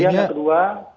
kemudian yang kedua